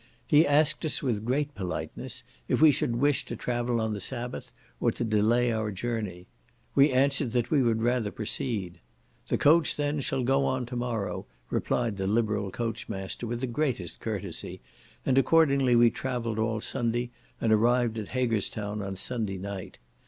He asked us, with great politeness, if we should wish to travel on the sabbath, or to delay our journey. We answered that we would rather proceed; "The coach, then, shall go on tomorrow," replied the liberal coach master, with the greatest courtesy; and accordingly we travelled all Sunday, and arrived at Haggerstown on Sunday night.